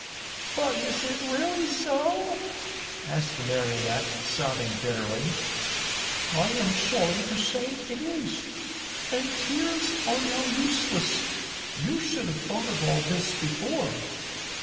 "But is it really so?" asked the Marionette, sobbing bitterly. "I am sorry to say it is. And tears now are useless. You should have thought of all this before."